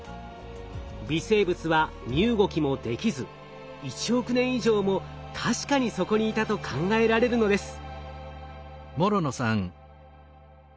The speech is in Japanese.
微生物は身動きもできず１億年以上も確かにそこにいたと考えられるのです。